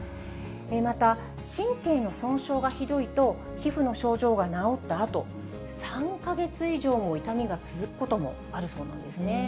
また、神経の損傷がひどいと、皮膚の症状が治ったあと、３か月以上も痛みが続くこともあるそうなんですね。